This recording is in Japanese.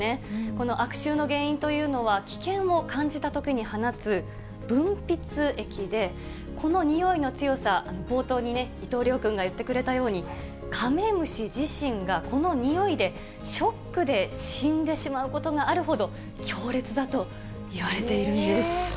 この悪臭の原因というのは、危険を感じたときに放つ分泌液で、この臭いの強さ、冒頭に伊藤稜くんが言ってくれたように、カメムシ自身が、この臭いでショックで死んでしまうことがあるほど、強烈だといわれているんです。